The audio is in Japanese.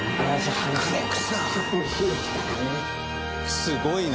すごいな。